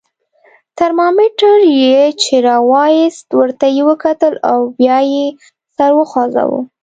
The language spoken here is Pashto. ترمامیتر یې چې را وایست، ورته یې وکتل او بیا یې سر وخوځاوه.